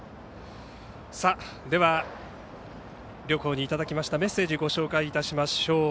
両校にいただきましたメッセージをご紹介します。